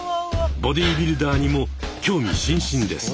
ボディビルダーにも興味津々です！